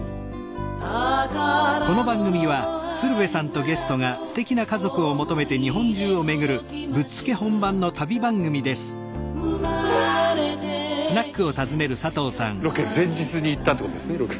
スタジオロケ前日に行ったってことですね。